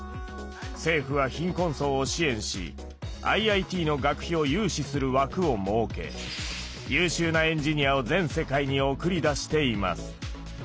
政府は貧困層を支援しＩＩＴの学費を融資する枠を設け優秀なエンジニアを全世界に送り出しています。